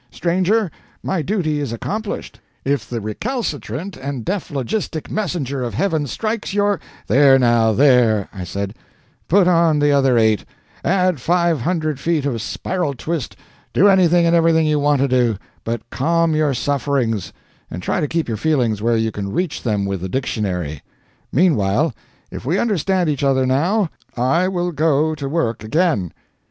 Stranger, my duty is accomplished; if the recalcitrant and dephlogistic messenger of heaven strikes your " "There, now, there," I said, "put on the other eight add five hundred feet of spiral twist do anything and everything you want to do; but calm your sufferings, and try to keep your feelings where you can reach them with the dictionary. Meanwhile, if we understand each other now, I will go to work again."